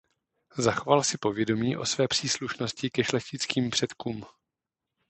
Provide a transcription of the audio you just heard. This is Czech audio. Zachovával si povědomí o své příslušnosti ke šlechtickým předkům.